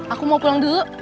aku mau pulang dulu